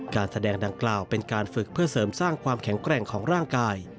การแสดงดังกล่าวเป็นการฝึกเพื่อเสริมสร้างความแข็งแกร่งของร่างกาย